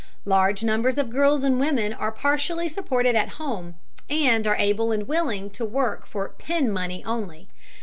Large numbers of girls and women are partially supported at home, and are able and willing to work for "pin money" only.